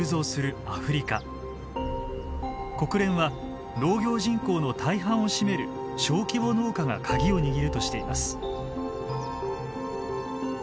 国連は農業人口の大半を占める小規模農家が鍵を握るとしています。